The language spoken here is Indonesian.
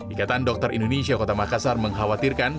ikatan dokter indonesia kota makassar mengkhawatirkan kerumunan tersebut